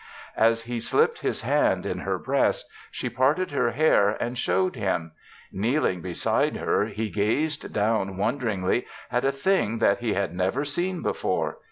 As he slipped his hand in her breast, she parted her hair and showed him. Kneeling beside her, he gazed down wonderingly at a thing that he had never seen before.